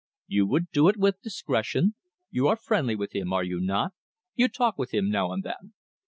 "You would do it with discretion. You are friendly with him, are you not? you talk with him now and then?"